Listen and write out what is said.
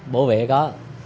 bộ vệ có